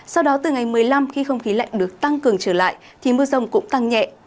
sau đó từ ngày một mươi năm khi không khí lạnh được tăng cường trở lại thì mưa rông cũng tăng nhẹ